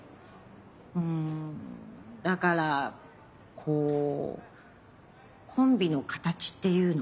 うんだからこうコンビの形っていうのは。